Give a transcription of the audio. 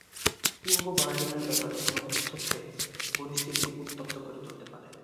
পূর্ব বার্লিনের ব্যাপারে কোন হস্তক্ষেপ পরিস্থিতিকে উত্তপ্ত করে তুলতে পারে।